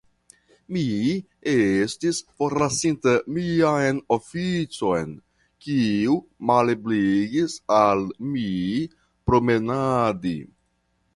Mi estis forlasinta mian oficon, kiu malebligis al mi promenadi.